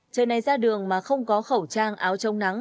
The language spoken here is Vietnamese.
trời này ra đường mà không có khẩu trang áo trông nắng